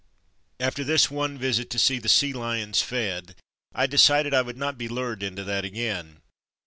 After this one visit to see the "sea lions fed'' I decided that I would not be lured into that again.